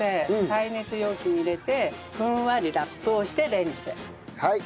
耐熱容器に入れてふんわりラップをしてレンジで５分加熱してください。